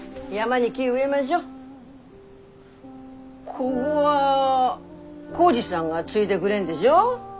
こごは耕治さんが継いでくれんでしょ？